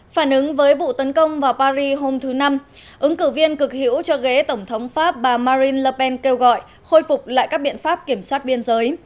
phản ứng với vụ tấn công vào paris hôm thứ năm ứng cử viên cực hữu cho ghế tổng thống pháp bà marin lapen kêu gọi khôi phục lại các biện pháp kiểm soát biên giới